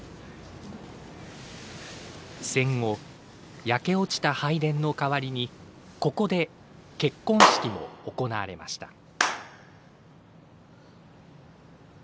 戦後、焼け落ちた拝殿の代わりにここで結婚式も行われました。